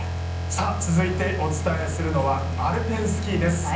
続いてお伝えするのはアルペンスキーです。